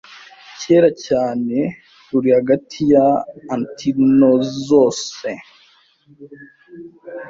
kera cyane ruri hagati ya antilinezose